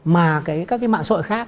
mà các mạng xã hội khác